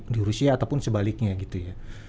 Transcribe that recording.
di rusia ataupun sebaliknya gitu ya